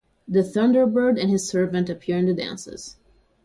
The thunderbird and his servant appear in the dances.